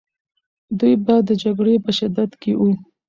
دوی به د جګړې په شدت کې وو.